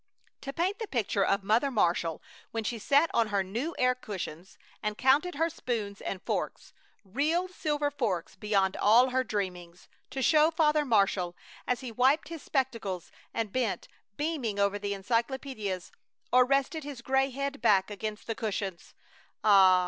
To paint the picture of Mother Marshall when she sat on her new air cushions and counted her spoons and forks real silver forks beyond all her dreamings! to show Father Marshall, as he wiped his spectacles and bent, beaming, over the encyclopedias or rested his gray head back against the cushions! Ah!